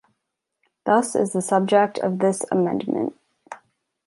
Thus is the subject of this amendment.